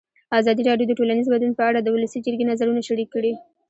ازادي راډیو د ټولنیز بدلون په اړه د ولسي جرګې نظرونه شریک کړي.